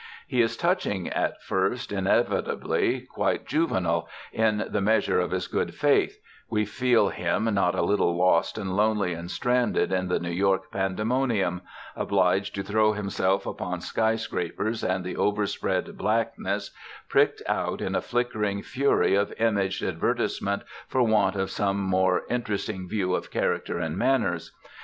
He is touching at first, inevitably quite juvenile, in the measure of his good faith; we feel him not a little lost and lonely and stranded in the New York pandemonium obliged to throw himself upon sky scrapers and the overspread blackness pricked out in a flickering fury of imaged advertisement for want of some more interesting view of character and manners.